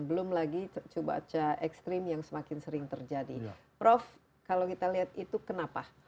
dan belum lagi cubaca ekstrim yang semakin sering terjadi prof kalau kita lihat itu kenapa